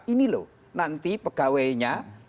ini loh nanti pegawainya